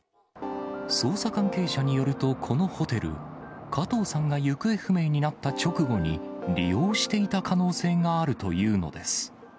捜査関係者によると、このホテル、加藤さんが行方不明になった直後に利用していた可能性があるというのです。